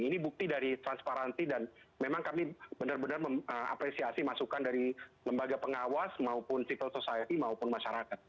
ini bukti dari transparansi dan memang kami benar benar mengapresiasi masukan dari lembaga pengawas maupun civil society maupun masyarakat